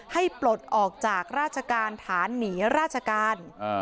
ปลดออกจากราชการฐานหนีราชการ